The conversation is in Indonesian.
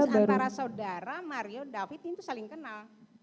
berarti antara saudara mario david ini saling kenal